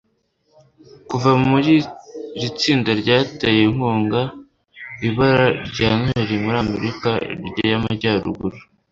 Kuva mu iri tsinda ryateye inkunga ibara rya Noheri muri Amerika y'Amajyaruguru